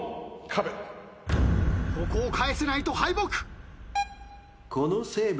ここを返せないと敗北！